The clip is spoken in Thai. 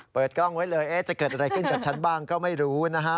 เปิดกล้องไว้เลยจะเกิดอะไรขึ้นกับฉันบ้างก็ไม่รู้นะฮะ